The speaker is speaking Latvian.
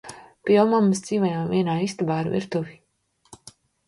Pie omammas dzīvojām vienā istabā ar virtuvi.